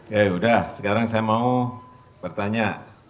ya udah sekarang saya mau bertanya